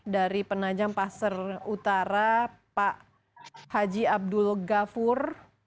dari penajam pasar utara pak haji abdul gafur